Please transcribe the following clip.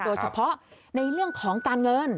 โดยเฉพาะในเรื่องของการเงิน